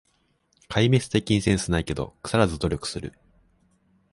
壊滅的にセンスないけど、くさらず努力する